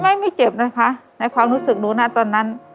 ไม่ไม่เจ็บนะคะในความรู้สึกหนูนะตอนนั้น